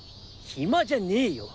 暇じゃねえよ。